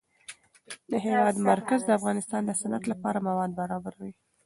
د هېواد مرکز د افغانستان د صنعت لپاره مواد برابروي.